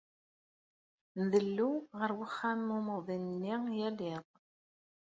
Ndellu ɣer uxxam umuḍin-nni yal iḍ.